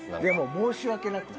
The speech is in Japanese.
申し訳なくてね。